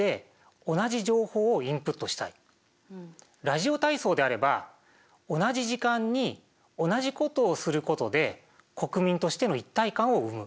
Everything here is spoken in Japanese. ラジオ体操であれば同じ時間に同じことをすることで国民としての一体感を生む。